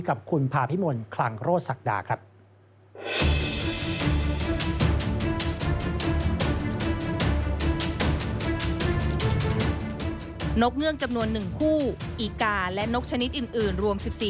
กับคุณภาพิมลคลังโรศักดาครับ